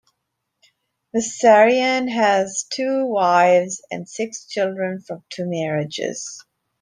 Vissarion has two wives, and six children from two marriages.